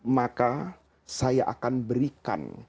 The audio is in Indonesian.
maka saya akan berikan